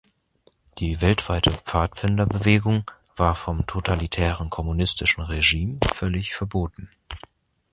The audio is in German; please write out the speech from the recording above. Die weltweite Pfadfinder-Bewegung war vom totalitären kommunistischen Regime völlig verboten.